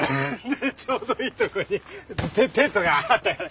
でちょうどいいとこにテントがあったから。